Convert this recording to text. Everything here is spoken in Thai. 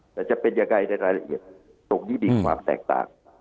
แต่จะเป็นยังไงในรายละเอียดตรงนี้มีความแตกต่าง